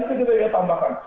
selain itu juga ada tambahan